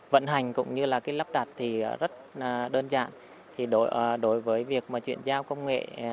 vận hành cũng như lắp đặt thì rất đơn giản